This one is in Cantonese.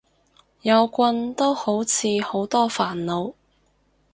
有棍都好似好多煩惱